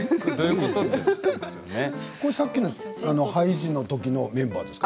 これは、ハイジのときのメンバーですか？